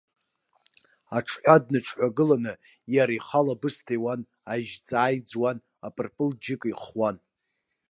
Аҽҳәа дныҽҳәагыланы, иара ихала абысҭа иуан, ажьҵаа иӡуан, апырпыл-џьыка ихуан.